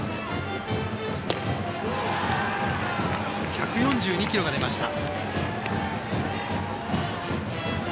１４２キロが出ました。